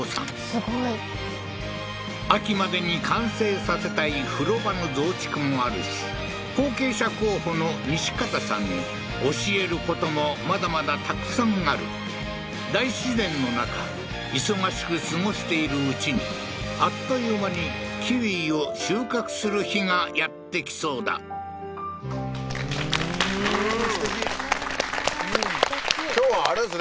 すごい秋までに完成させたい風呂場の増築もあるし後継者候補の西方さんに教えることもまだまだたくさんある大自然の中忙しく過ごしているうちにあっという間にキウイを収穫する日がやって来そうだすてき今日はあれですね